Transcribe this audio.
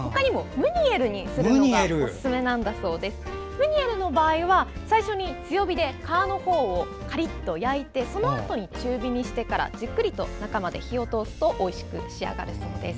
ムニエルの場合は最初に強火で皮のほうをカリッと焼いてそのあと中火にしてからじっくり中まで火を通すとおいしく仕上がるそうです。